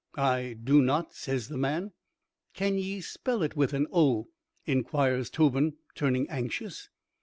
"I do not," says the man. "Can ye spell it with an 'o'?" inquires Tobin, turning anxious.